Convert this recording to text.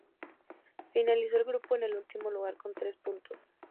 Finalizó el grupo en el último lugar con tres puntos.